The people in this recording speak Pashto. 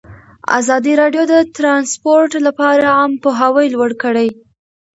ازادي راډیو د ترانسپورټ لپاره عامه پوهاوي لوړ کړی.